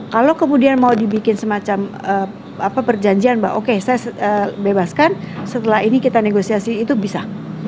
kalau kemudian mau dibikin semacam perjanjian mbak oke saya bebaskan setelah ini kita negosiasi itu bisa